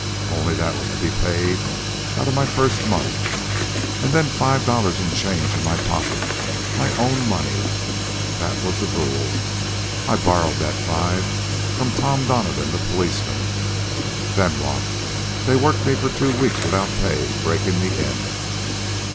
Only that was to be paid out of my first month. And then five dollars in change in my pocket, my own money. That was the rule. I borrowed that five from Tom Donovan, the policeman. Then what? They worked me for two weeks without pay, breakin' me in."